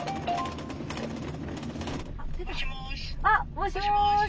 もしもし。